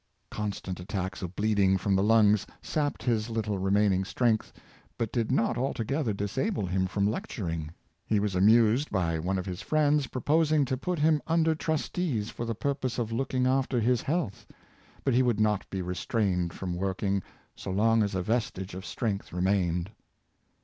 "" Constant attacks of bleeding from the lungs sapped his little remaining strength, but did not altogether disable him from lecturing. He was amused by one of his friends proposing to put him under trustees for the pur pose of looking after his health. But he would not be restrained from working, so long as a vestige of strength remained.